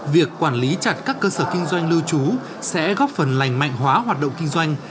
việc quản lý chặt các cơ sở kinh doanh lưu trú sẽ góp phần lành mạnh hóa hoạt động kinh doanh